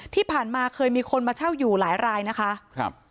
ที่ผ่านมาเคยมีคนมาเช่าอยู่หลายรายนะคะครับ